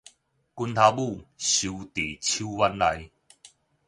拳頭拇收佇手䘼內